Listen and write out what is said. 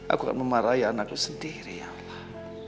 aku akan memarahi anakku sendiri ya allah